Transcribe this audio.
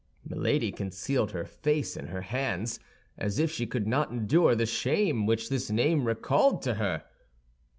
Milady concealed her face in her hands, as if she could not endure the shame which this name recalled to her.